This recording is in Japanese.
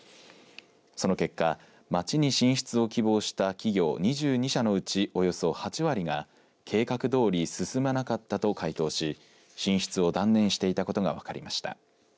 その結果町に進出を希望した企業２２社のうちおよそ８割が計画どおり進まなかったと回答し進出を断念していたことが分かりました。